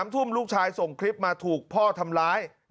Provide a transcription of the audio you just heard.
๓ทุ่มลูกชายส่งคลิปมาถูกพ่อทำร้าย